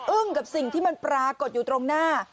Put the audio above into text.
กับสิ่งที่มันปรากฏอยู่ตรงหน้า